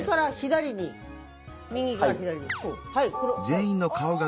はい。